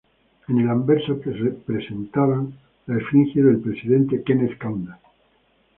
En el anverso presentaban la efigie del presidente Kenneth Kaunda.